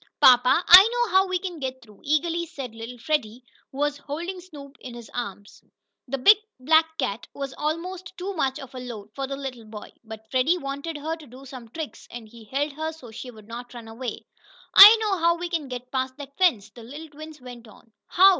"Papa, I know how we can get through," eagerly said little Freddie, who was holding Snoop in his arms. The big black cat was almost too much of a load for the little boy, but Freddie wanted her to do some tricks, and he held her so she would not run away. "I know how to get past that fence," the little twin went on. "How?"